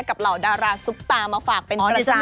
เหล่าดาราซุปตามาฝากเป็นประจำ